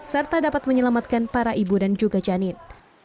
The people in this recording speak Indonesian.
serta dapat menyelamatkan para ibu dan juga janin